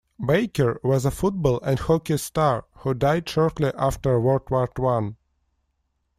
Baker was a football and hockey star who died shortly after World War One.